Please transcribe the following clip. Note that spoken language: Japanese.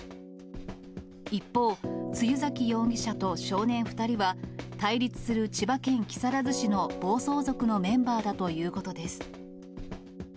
一方、露崎容疑者と少年２人は、対立する千葉県木更津市の暴走族のメンバーだということです。